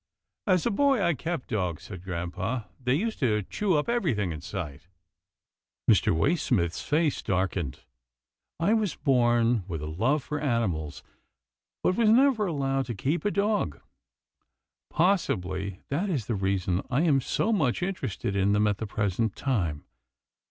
" As a boy, I kept dogs," said grampa, " they used to chew up everything in sight." Mr. Waysmith's face darkened. " I was born with a love for animals, but was never allowed to keep a dog. Possibly, that is the reason I am so much inter ested in them at the present time.